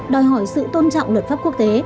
đòi hỏi sự tôn trọng luật pháp quốc tế